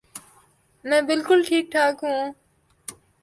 میں بالکل ٹھیک ٹھاک ہوں